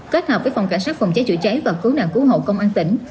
kết hợp với phòng cảnh sát phòng cháy chữa cháy và cứu nạn cứu hộ công an tỉnh